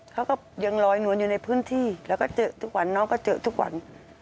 เขาก็ยังลอยนวลอยู่ในพื้นที่แล้วก็เจอทุกวันน้องก็เจอทุกวัน